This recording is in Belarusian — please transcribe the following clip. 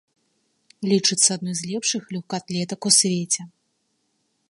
Лічыцца адной з лепшых лёгкаатлетак у свеце.